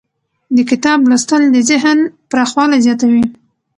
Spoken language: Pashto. د کتاب لوستل د ذهن پراخوالی زیاتوي.